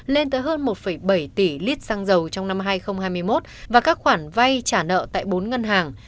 lên tới hơn một bảy tỷ lít xăng dầu trong năm hai nghìn hai mươi một và các khoản vay trả nợ tại bốn ngân hàng